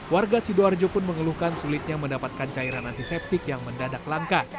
warga sidoarjo pun mengeluhkan sulitnya mendapatkan cairan antiseptik yang mendadak langka